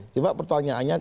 cuma pertanyaannya juga